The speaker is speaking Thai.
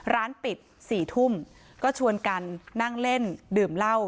ร้านปิด๔ทุ่มก็ชวนกันนั่งเล่นดื่มเหล้า